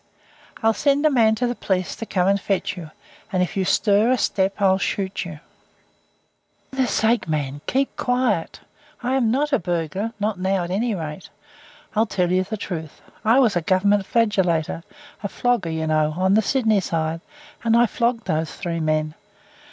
I'll send a man to the police to come and fetch you, and if you stir a step I'll shoot you." "For goodness' sake, mate, keep quiet. I am not a burglar, not now at any rate. I'll tell you the truth. I was a Government flagellator, a flogger, you know, on the Sydney side, and I flogged those three men.